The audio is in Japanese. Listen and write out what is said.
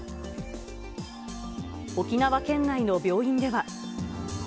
沖縄県内の病院では。